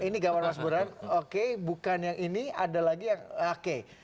ini gambar mas buran oke bukan yang ini ada lagi yang oke